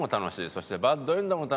そしてバッドエンドも楽しい。